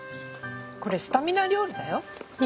これスタミナ料理だよ。